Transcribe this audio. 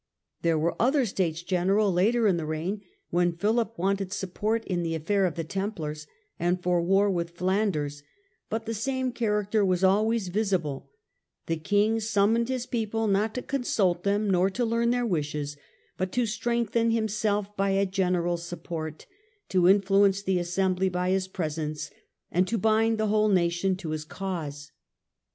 There were other States General later in the reign, when Philip wanted support in the affair of the Templars and for war with Flanders, but the same character was always visible : the King summoned his people, not to consult them nor to learn their wishes, but to strengthen himself by a general support, to influence the Assembly by his presence, and to bind the whole nation to his cause.